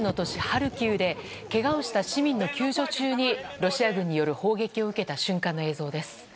ハルキウでけがをした市民の救助中にロシア軍による砲撃を受けた瞬間の映像です。